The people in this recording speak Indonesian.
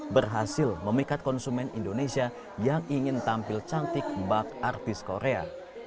berhasil memikat konsumen indonesia yang ingin tampil cantik bak artis korea